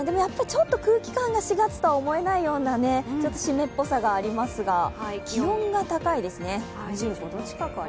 ちょっと空気感が４月とは思えないようなちょっと湿っぽさがありますが気温が高いですね。